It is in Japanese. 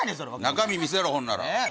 中身見せろほんなら。